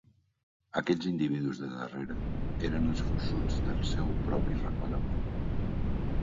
Aquells individus de darrere eren els forçuts del seu propi racó de món.